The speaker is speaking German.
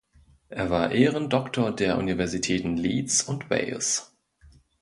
Er war Ehrendoktor der Universitäten Leeds und Wales.